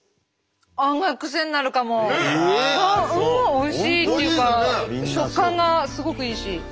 おいしいっていうか食感がすごくいいし。